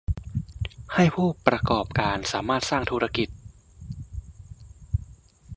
ให้ผู้ประกอบการสามารถสร้างธุรกิจ